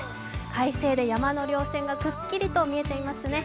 快晴で山の稜線がくっきりと見えていますね。